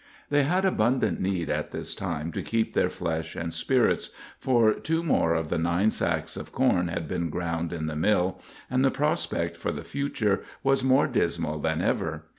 They had abundant need at this time to keep their flesh and spirits, for two more of the nine sacks of corn had been ground in the mill, and the prospect for the future was more dismal than ever.